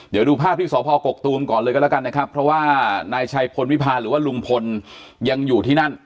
เดี๋ยวดูภาพที่สพกกตูมก่อนเลยก็แล้วกันนะครับเพราะว่านายชัยพลวิพาหรือว่าลุงพลยังอยู่ที่นั่น